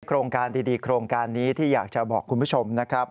โครงการดีโครงการนี้ที่อยากจะบอกคุณผู้ชมนะครับ